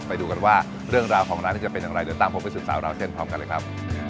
ไปดูกันว่าเรื่องราวของร้านนี้จะเป็นอย่างไรเดี๋ยวตามผมไปสืบสาวราวเส้นพร้อมกันเลยครับ